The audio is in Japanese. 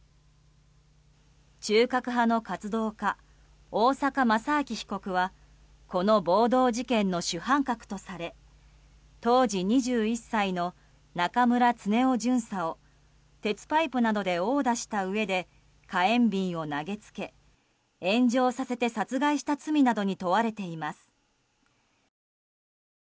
中核派の活動家大坂正明被告はこの暴動事件の主犯格とされ当時２１歳の中村恒雄巡査を鉄パイプなどで殴打したうえで火炎瓶を投げつけ炎上させて殺害した罪などに問われています。